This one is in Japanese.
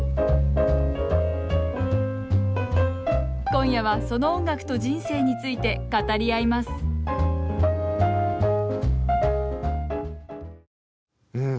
今夜はその音楽と人生について語り合いますうん。